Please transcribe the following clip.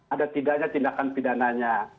ada tidaknya tindakan pidananya